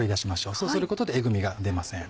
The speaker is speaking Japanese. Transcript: そうすることでえぐみが出ません。